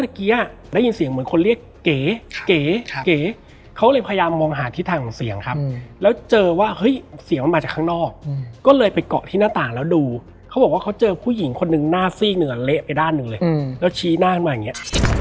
ได้ยินเสียงเหมือนคนเรียกเก๋เก๋เก๋เขาเลยพยายามมองหาทิศทางของเสียงครับแล้วเจอว่าเฮ้ยเสียงมันมาจากข้างนอกก็เลยไปเกาะที่หน้าต่างแล้วดูเขาบอกว่าเขาเจอผู้หญิงคนนึงหน้าซีกเหนือเละไปด้านหนึ่งเลยแล้วชี้หน้าขึ้นมาอย่างนี้